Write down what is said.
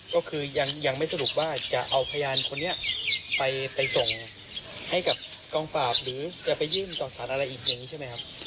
ก็คือยังไม่สรุปว่าจะเอาพยานคนนี้ไปส่งให้กับกองปราบหรือจะไปยื่นต่อสารอะไรอีกอย่างนี้ใช่ไหมครับ